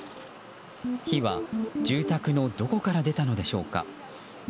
火は住宅のどこから出たのでしょうか。